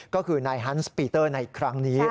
ก็คือนายฮันส์ปีเตอร์ในครั้งนี้